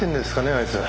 あいつ。